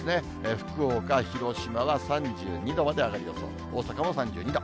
福岡、広島は３２度まで上がる予想、大阪も３２度。